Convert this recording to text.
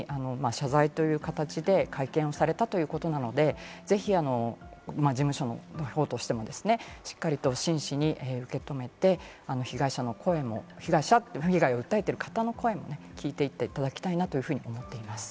今回、こういうふうに謝罪という形で会見をされたということなので、ぜひ事務所の方としてもしっかりと真摯に受け止めて、被害者の声も、被害を訴えている方の声も聞いていっていただきたいなと思います。